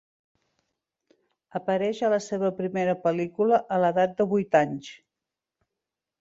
Apareix a la seva primera pel·lícula a l'edat de vuit anys.